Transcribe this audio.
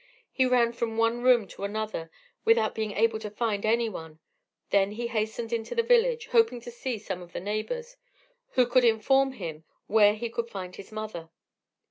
He ran from one room to another, without being able to find any one; he then hastened into the village, hoping to see some of the neighbours, who could inform him where he could find his mother.